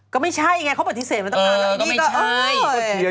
ก็ไม่ใช่ไงเขาปฏิเสธมันต้องน่ารักดีกว่า